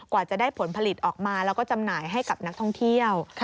กว่าจะได้ผลผลิตออกมาแล้วก็จำหน่ายให้กับนักท่องเที่ยว